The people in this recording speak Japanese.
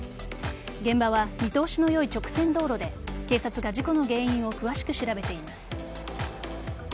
現場は見通しの良い直線道路で警察が事故の原因を詳しく調べています。